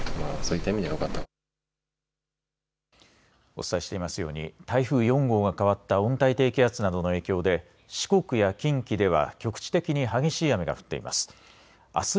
お伝えしていますように台風４号が変わった温帯低気圧などの影響で四国や近畿では局地的に激しい雨が降っています。